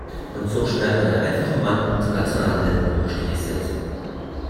Und so schnell wird ein einfacher Mann zum Nationalhelden hochstilisiert.